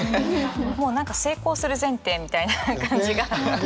もう何か成功する前提みたいな感じが。